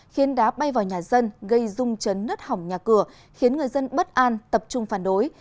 khiến đá bay vào nhà dân gây rung chấn nứt hỏng nhà cửa khiến người dân bất an tập trung phản đối